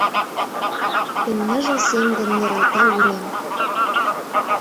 Эн ныжыл сем ден нералта урем.